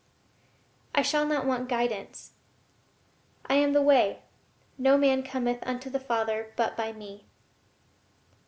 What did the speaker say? I shall not want guidance. "I am the way; no man cometh unto the Father but by Me."